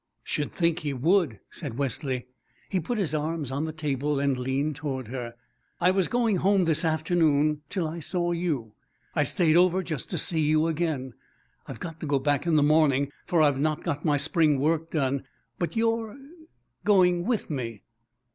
"Sh'd think he would," said Wesley. He put his arms on the table and leaned toward her. "I was going home this afternoon till I saw you. I stayed over just to see you again. I've got to go back in the morning, for I've not got my spring work done; but you're going with me."